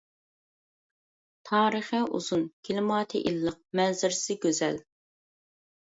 تارىخى ئۇزۇن، كىلىماتى ئىللىق، مەنزىرىسى گۈزەل.